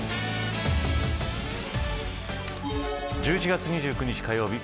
１１月２９日火曜日